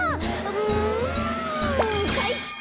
うんかいか！